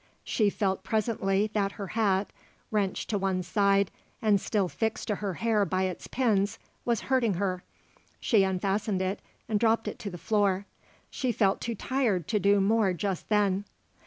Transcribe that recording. She felt presently that her hat, wrenched to one side, and still fixed to her hair by its pins, was hurting her. She unfastened it and dropped it to the floor. She felt too tired to do more just then.